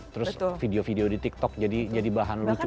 terus video video di tiktok jadi bahan lucu